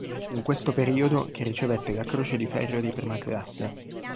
Fu in questo periodo che ricevette la Croce di Ferro di prima classe.